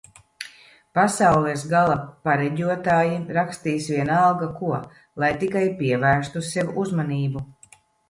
Pasaules gala pareģotāji rakstīs vienalga ko, lai tikai pievērstu sev uzmanību